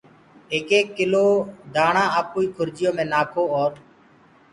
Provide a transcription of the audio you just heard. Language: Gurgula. ايڪ ايڪ ڪلو دآڻآ آپوئي کرجيآنٚ مي نآکو اور